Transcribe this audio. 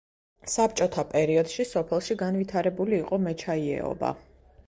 საბჭოთა პერიოდში სოფელში განვითარებული იყო მეჩაიეობა.